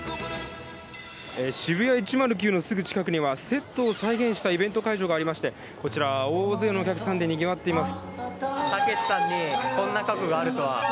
ＳＨＩＢＵＹＡ１０９の近くにセットを再現したイベント会場がありまして、こちら、大勢のお客さんでにぎわっています。